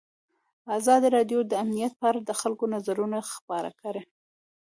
ازادي راډیو د امنیت په اړه د خلکو نظرونه خپاره کړي.